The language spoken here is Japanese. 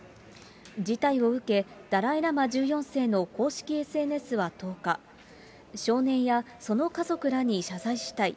事態を受け、ダライ・ラマ１４世の公式ＳＮＳは１０日、少年やその家族らに謝罪したい。